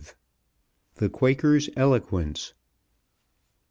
THE QUAKER'S ELOQUENCE.